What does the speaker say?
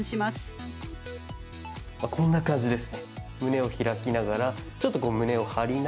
まあこんな感じですね。